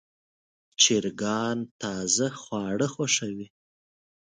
چرګان تازه خواړه خوښوي.